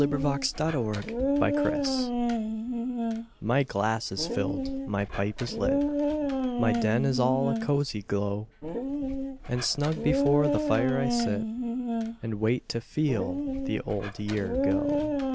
The Passing of the Year My glass is filled, my pipe is lit, My den is all a cosy glow; And snug before the fire I sit, And wait to FEEL the old year go.